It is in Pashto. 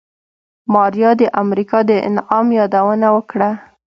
ماريا د امريکا د انعام يادونه وکړه.